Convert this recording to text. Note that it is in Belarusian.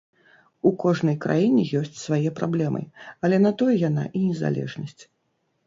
У кожнай краіне ёсць свае праблемы, але на тое яна і незалежнасць.